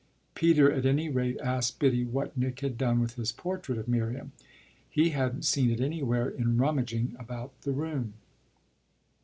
Peter at any rate asked Biddy what Nick had done with his portrait of Miriam. He hadn't seen it anywhere in rummaging about the room.